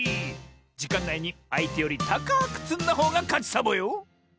じかんないにあいてよりたかくつんだほうがかちサボよ！